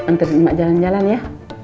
ntar di rumah jalan jalan ya